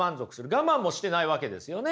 我慢もしてないわけですよね。